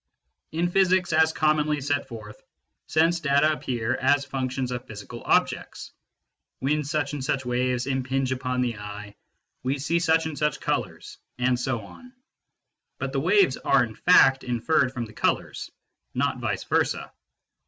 In physics as commonly set forth, sense data appear as functions of physical objects : when such and such waves impinge upon the eye, we see such and such colours, and so on. But the waves are in fact inferred from the colours, not vice versa.